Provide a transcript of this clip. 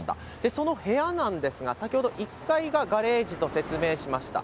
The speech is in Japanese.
その部屋なんですが、先ほど、１階がガレージと説明しました。